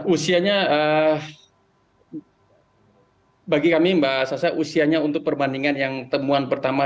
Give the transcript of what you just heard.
usianya bagi kami mbak sasa usianya untuk perbandingan yang temuan pertama